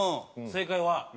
正解は。